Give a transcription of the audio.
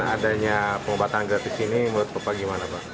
adanya pengobatan gratis ini menurut bapak gimana pak